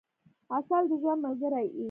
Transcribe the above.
عسل د ژوند ملګری کئ.